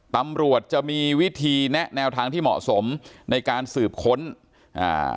ตำรวจจะมีวิธีแนะแนวทางที่เหมาะสมในการสืบค้นอ่า